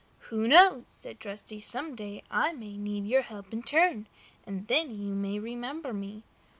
"Who knows?" said Trusty. "Some day I may need help in my turn, and then you may remember me.